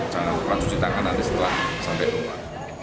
jangan terlalu perlahan cuci tangan nanti setelah sampai rumah